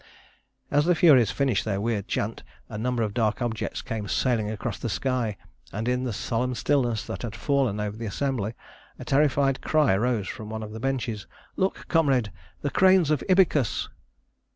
As the Furies finished their weird chant a number of dark objects came sailing across the sky, and in the solemn stillness that had fallen over the assembly a terrified cry arose from one of the benches, "Look, comrade, the cranes of Ibycus!"